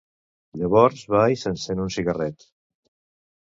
Llavors para i s'encén un cigarret.